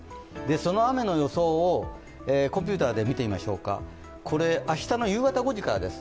その雨の予想をコンピューターで見てみますと明日の夕方５時からです